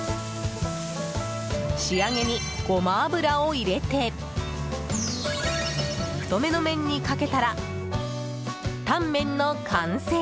仕上げに、ゴマ油を入れて太めの麺にかけたらタンメンの完成。